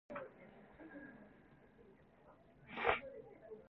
唔該㩒十五樓呀